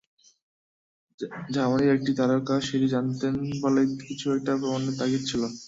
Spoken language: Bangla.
জার্মানির এই তারকা সেটি জানতেন বলেই কিছু একটা প্রমাণের তাগিদ ছিল।